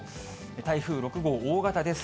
台風６号、大型です。